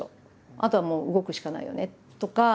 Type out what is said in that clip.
あとはもう動くしかないよね」とか。